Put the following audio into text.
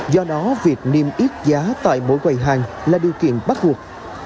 do đó việc niêm yết giá tại mỗi quầy hàng là điều kiện bắt buộc